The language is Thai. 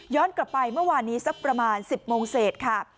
กลับไปเมื่อวานนี้สักประมาณ๑๐โมงเศษค่ะ